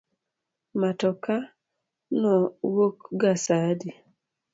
Matoka no wuok ga sa adi?